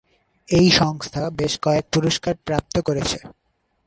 এই সংস্থা বেশ কয়েক পুরস্কার প্রাপ্ত করেছে।